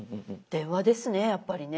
電話ですねやっぱりね。